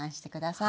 はい。